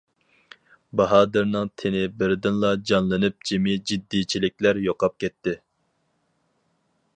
باھادىرنىڭ تېنى بىردىنلا جانلىنىپ جىمى جىددىيچىلىكلەر يوقاپ كەتتى.